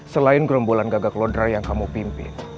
selain gerombolan gagak lodra yang kamu pimpin